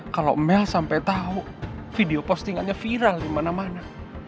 kalo mel sampe tau video postingannya viral di mana mana